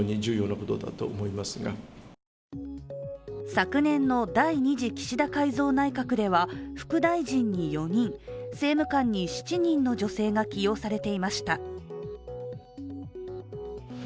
昨年、第２次岸田改造内閣では副大臣に４人、政務官に７人の女性が起用されていました。